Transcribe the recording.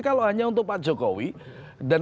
kalau hanya untuk pak jokowi dan